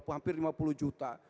hampir lima puluh juta